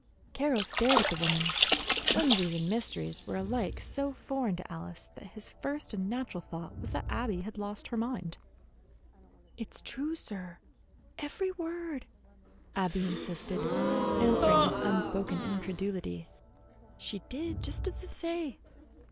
Carroll stared at the woman. Whimsies and mysteries were alike so foreign to Alice that his first and natural thought was that Abby had lost her mind. "It's true, sir, every word," Abby insisted, answering his unspoken incredulity. "She did just 's I say."